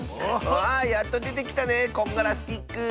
わあやっとでてきたねこんがらスティック！